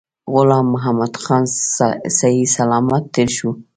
غلام محمدخان صحی سلامت تېر شو.